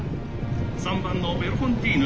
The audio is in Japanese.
３番のベルフォンティーヌ